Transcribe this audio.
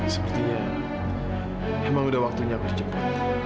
sepertinya emang udah waktunya berjumpa